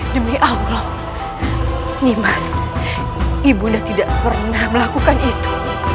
demi allah nimas ibunda tidak pernah melakukan itu